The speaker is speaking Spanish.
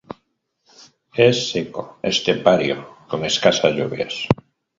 Es seco, estepario con escasas lluvias.